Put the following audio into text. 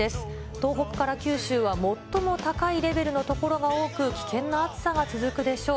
東北から九州は最も高いレベルの所が多く、危険な暑さが続くでしょう。